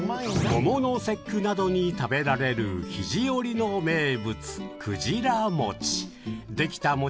桃の節句などに食べられる肘折の名物、くじら餅。